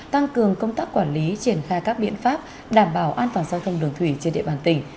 tăng cường công tác quản lý triển khai các biện pháp đảm bảo an toàn giao thông đường thủy trên địa bàn tỉnh